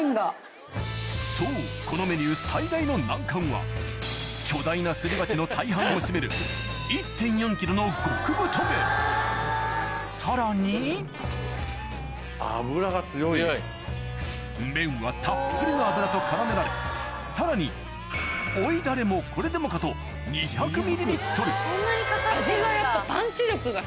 そうこのメニュー最大の難関は巨大なすり鉢の大半を占めるさらに麺はたっぷりの油と絡められさらに追いダレもこれでもかと２００ｍ味がやっぱ。